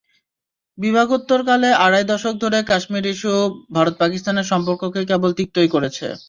বিভাগোত্তরকালে আড়াই দশক ধরে কাশ্মীর ইস্যু ভারত-পাকিস্তানের সম্পর্ককে কেবল তিক্তই করেছে।